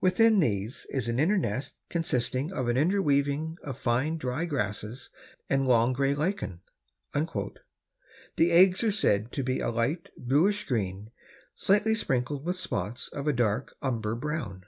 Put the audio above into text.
Within these is an inner nest consisting of an interweaving of fine dry grasses and long gray lichen." The eggs are said to be a light greenish blue, slightly sprinkled with spots of a dark umber brown.